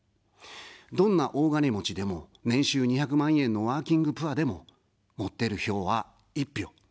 どんな大金持ちでも、年収２００万円のワーキングプアでも、持ってる票は１票。